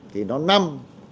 thì nó nằm